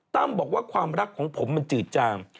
บอกว่าความรักของผมมันจืดจาง